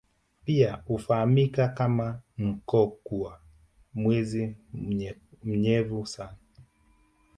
Pia hufahamika kama Nkokua mwezi mnyevu sana